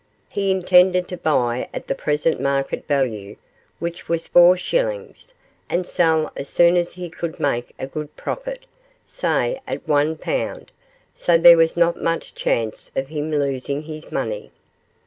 He intended to buy at the present market value, which was four shillings, and sell as soon as he could make a good profit say, at one pound so there was not much chance of him losing his money.